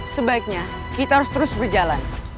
sebaiknya kita harus terus berjalan